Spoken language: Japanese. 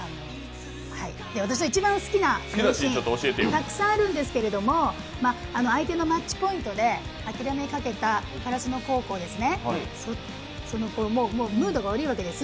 私の一番好きなシーン、たくさんあるんですけど、相手のマッチポイントで諦めかけた烏野高校ですね、ムードが悪いわけです